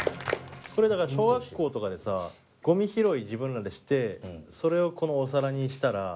これだから小学校とかでさゴミ拾い自分らでしてそれをこのお皿にしたら。